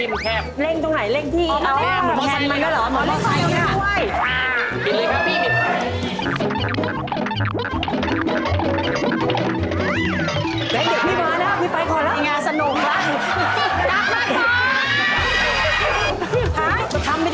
มันเร่งคร่วบเร็วได้เยอะแต่ว่าคุณพี่มีแคบ